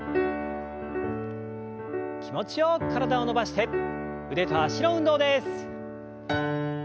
気持ちよく体を伸ばして腕と脚の運動です。